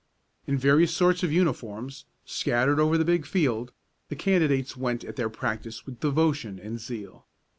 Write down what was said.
In various sorts of uniforms, scattered over the big field, the candidates went at their practice with devotion and zeal.